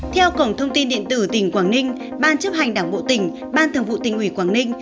theo cổng thông tin điện tử tỉnh quảng ninh ban chấp hành đảng bộ tỉnh ban thường vụ tỉnh ủy quảng ninh